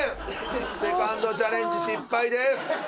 セカンドチャレンジ失敗です。